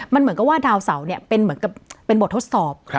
มันเหมือนกับว่าดาวเสาเนี่ยเป็นเหมือนกับเป็นบททดสอบ